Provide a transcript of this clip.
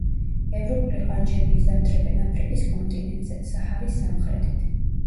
ევროპული ყანჩები იზამთრებენ აფრიკის კონტინენტზე, საჰარის სამხრეთით.